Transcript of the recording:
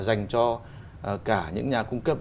dành cho cả những nhà cung cấp